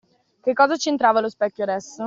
Che cosa c'entrava lo specchio, adesso?